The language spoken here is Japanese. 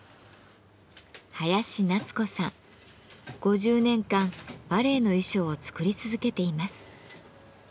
５０年間バレエの衣装を作り続けています。